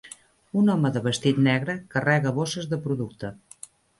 Un home de vestit negre carrega bosses de producte